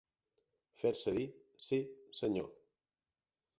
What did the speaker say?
Fer-se dir «sí, senyor».